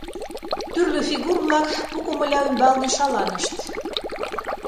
Тӱрлӧ фигур-влак пу комыля ӱмбалне шаланышт.